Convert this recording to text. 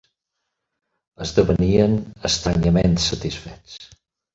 Esdevenien estranyament satisfets.